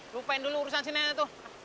lupain dulu urusan si nenek tuh